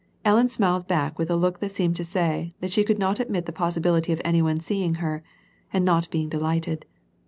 Ellen smiled back with a look that seemed to say, that she could not admit the |>ossibility of any one seeing her, and not being delighted.